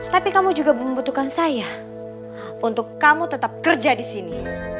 tapi kamu juga membutuhkan saya untuk kamu tetap kerja di sini